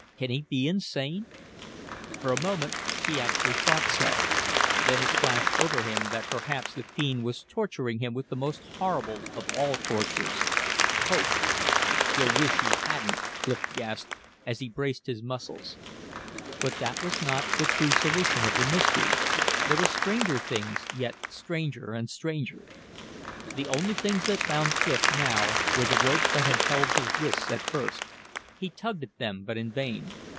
"Can he be insane?" For a moment he actually thought so; then it flashed over him that perhaps the fiend was torturing him with the most horrible of all tortures hope. "He'll wish he hadn't!" Clif gasped, as he braced his muscles. But that was not the true solution of the mystery; there were stranger things yet stranger and stranger. The only things that bound Clif now were the ropes that had held his wrists at first. He tugged at them, but in vain.